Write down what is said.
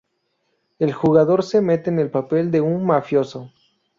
El jugador se mete en el papel de un mafioso.